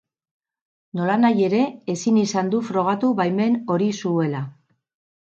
Nolanahi ere, ezin izan du frogatu baimen hori zuela.